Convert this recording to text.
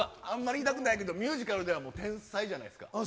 あんまり言いたくないけど、ミュージカルでは、もう天才じゃないですか。